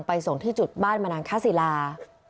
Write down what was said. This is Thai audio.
ส่งที่จุดบ้านมนังคศิลา